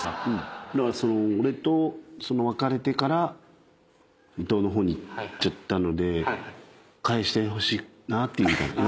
だからその俺と別れてから伊藤の方にいっちゃったので返してほしいなみたいな。